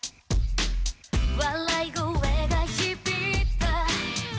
「笑い声が響いた」